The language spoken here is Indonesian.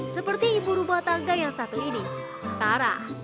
seperti ibu rumah tangga yang satu ini sarah